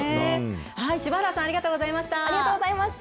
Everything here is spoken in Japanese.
柴原さん、ありがとうございました。